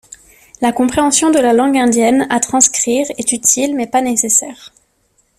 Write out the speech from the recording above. La compréhension de la langue indienne à transcrire est utile mais pas nécessaire.